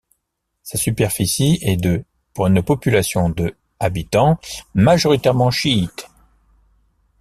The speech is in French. Sa superficie est de pour une population de habitants majoritairement chiite.